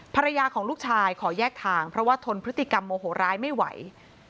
ภรรยาของลูกชายขอแยกทางเพราะว่าทนพฤติกรรมโมโหร้ายไม่ไหว